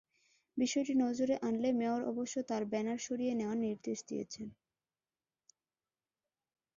বিষয়টি নজরে আনলে মেয়র অবশ্য তাঁর ব্যানার সরিয়ে নেওয়ার নির্দেশ দিয়েছেন।